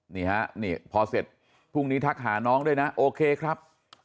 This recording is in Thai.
นี่ฮะนี่พอเสร็จพรุ่งนี้ทักหาน้องด้วยนะโอเคครับ